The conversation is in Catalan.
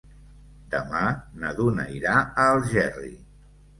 Demà na Duna irà a Algerri.